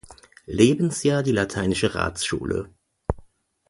Lebensjahr die lateinische Ratsschule.